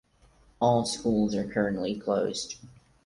All schools are currently closed.